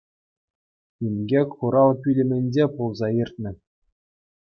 Инкек хурал пӳлӗмӗнче пулса иртнӗ.